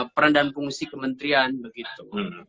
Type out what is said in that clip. peran dan fungsi kementerian begitu